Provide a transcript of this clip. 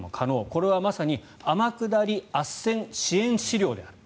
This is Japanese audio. これはまさに天下りあっせん支援資料である。